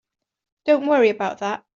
Don't worry about that.